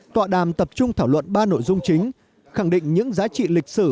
tọa đàm tập trung thảo luận ba nội dung chính khẳng định những giá trị lịch sử